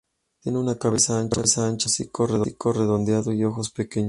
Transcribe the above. Tiene una cabeza ancha, con un hocico redondeado y ojos pequeños.